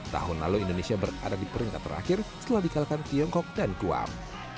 tahun lalu indonesia berada di peringkat terakhir setelah dikalahkan tiongkok dan guam